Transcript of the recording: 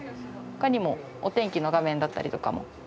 他にもお天気の画面だったりとかも。